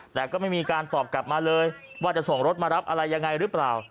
แต่ก็ไม่มีการตอบกลับมาเลยว่าจะส่งรถมารับอะไรยังไงหรือเปล่า